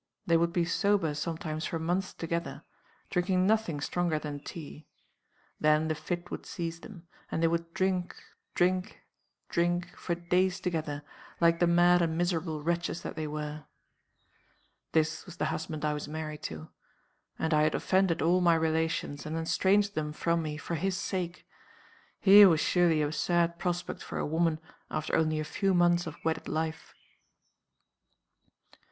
They would be sober sometimes for months together, drinking nothing stronger than tea. Then the fit would seize them; and they would drink, drink, drink, for days together, like the mad and miserable wretches that they were. "This was the husband I was married to. And I had offended all my relations, and estranged them from me, for his sake. Here was surely a sad prospect for a woman after only a few months of wedded life!